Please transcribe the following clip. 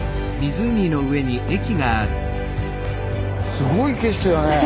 すごい景色だね！